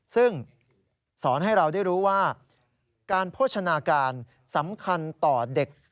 ซึ่งสอนให้เราได้รู้ว่าการโภชนาการสำคัญต่อเด็ก